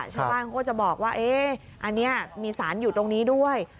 ชาวบ้านเขาก็จะบอกว่าอันนี้มีสารอยู่ตรงนี้ด้วย